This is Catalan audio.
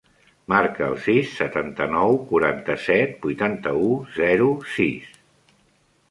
Marca el sis, setanta-nou, quaranta-set, vuitanta-u, zero, sis.